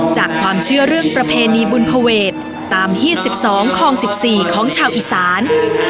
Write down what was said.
จากความเชื่อเรื่องประเพณีบุญเผวร์เวตตามฮีดสิบสองคลองสิบสี่ของชาวอิสาน